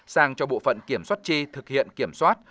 sang cho bộ phận kiểm soát chi thực hiện kiểm soát